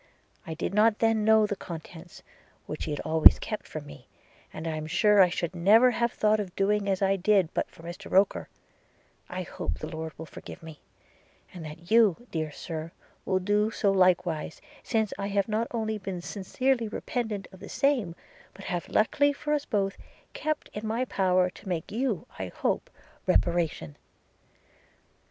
– I did not then know the contents, which she had always kept from me: and I am sure I should never have thought of doing as I did but for Mr Roker – I hope the Lord will forgive me! – and that you, dear Sir, will do so likewise, since I have not only been sincerely repentant of the same, but have, luckily for us both, kept it in my power to make you, I hope, reparation.